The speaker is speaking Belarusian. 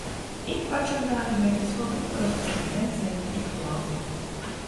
І, бачым далей, гэтыя словы не проста сэнтэнцыя інтэлектуала.